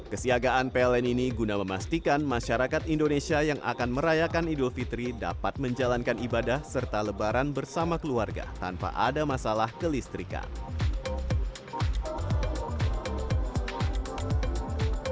kesiagaan pln ini guna memastikan masyarakat indonesia yang akan merayakan idul fitri dapat menjalankan ibadah serta lebaran bersama keluarga tanpa ada masalah kelistrikan